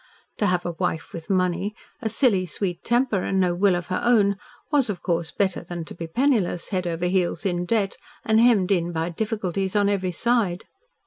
To have a wife with money, a silly, sweet temper and no will of her own, was of course better than to be penniless, head over heels in debt and hemmed in by difficulties on every side.